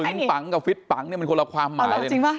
ฟิตปังกับฟิตปังมันคนละความหมาย